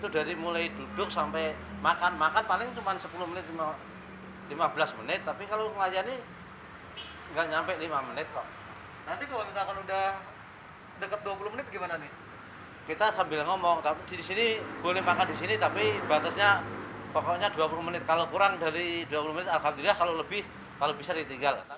di sini boleh makan tapi batasnya dua puluh menit kalau kurang dari dua puluh menit alhamdulillah kalau lebih bisa ditinggal